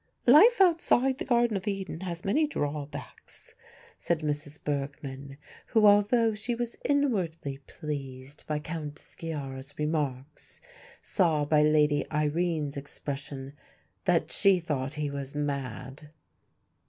"Life outside the garden of Eden has many drawbacks," said Mrs. Bergmann, who, although she was inwardly pleased by Count Sciarra's remarks, saw by Lady Irene's expression that she thought he was mad.